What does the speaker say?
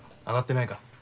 あがってないか？